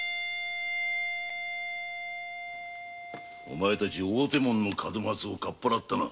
お前たち大手門の門松をかっぱらったな。